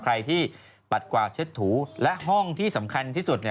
ใครที่ปัดกวาดเช็ดถูและห้องที่สำคัญที่สุดเนี่ย